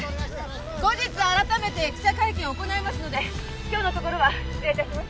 後日改めて記者会見を行いますので今日のところは失礼致します」